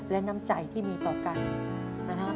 และน้ำใจที่มีต่อกันนะครับ